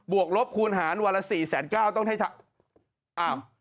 บวกลบคูณหารวันละ๔แสน๙ต้องให้ทัก